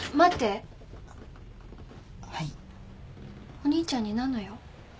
お兄ちゃんに何の用？